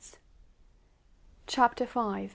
CHAPTER V.